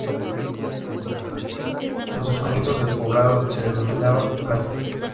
En sus comienzos el poblado se denominaba "Blanco".